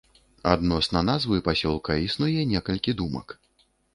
Адносна назвы пасёлка існуе некалькі думак.